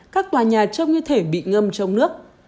các tòa nhà trông như thể bị ngâm trong nước